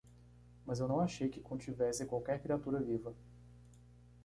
Mas eu não achei que contivesse qualquer criatura viva.